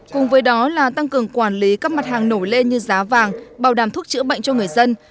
cùng với đó là tăng cường quản lý các mặt hàng nổi lên như giá vàng bảo đảm thuốc chữa bệnh cho người dân